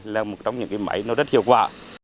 là một trong những cái máy rất hiệu quả